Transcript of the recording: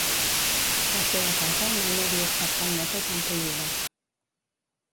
La seua casa mai no havia estat tan neta i tan polida.